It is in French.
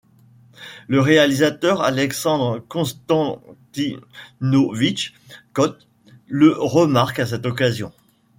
Le réalisateur Alexandre Konstantinovitch Kott le remarque à cette occasion.